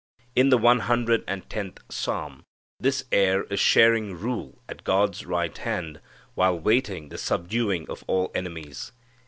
In the One Hundred and Tenth Psalm this Heir is sharing rule at God's right hand while waiting the subduing of all enemies.